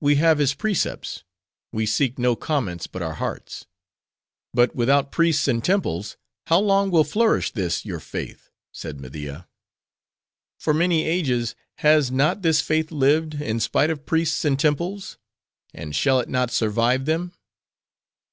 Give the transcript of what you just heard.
We have his precepts: we seek no comments but our hearts." "But without priests and temples, how long will flourish this your faith?" said Media. "For many ages has not this faith lived, in spite of priests and temples? and shall it not survive them?